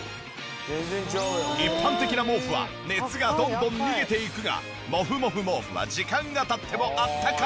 一般的な毛布は熱がどんどん逃げていくがモフモフ毛布は時間が経ってもあったかいまま。